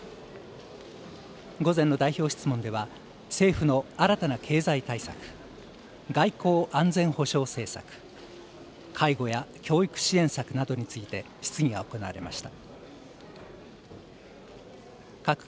午前の代表質問では、政府の新たな経済対策、外交・安全保障政策、介護や教育支援策などについて質疑が行われました。